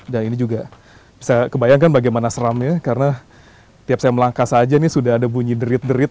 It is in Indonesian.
dan ini juga bisa kebayangkan bagaimana seramnya karena tiap saya melangkah saja ini sudah ada bunyi derit derit